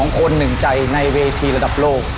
๒คน๑ใจในเวทีระดับโลก